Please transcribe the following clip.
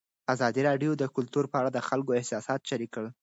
ازادي راډیو د کلتور په اړه د خلکو احساسات شریک کړي.